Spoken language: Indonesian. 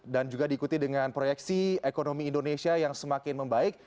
dan juga diikuti dengan proyeksi ekonomi indonesia yang semakin membaik